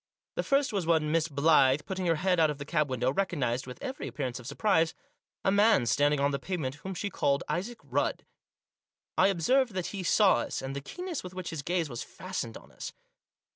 The first was when Miss Blyth, putting her head out of the cab window, recognised, with every appear ance of surprise, a man standing on the pavement whom she called Isaac Rudd. I observed that he saw us, and the keenness with which his gaze was fastened on us.